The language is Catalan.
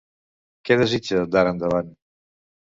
Què desitja d'ara endavant?